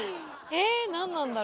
え何なんだろ？